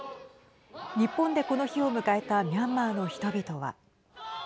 日本でこの日を迎えたミャンマーの人々は。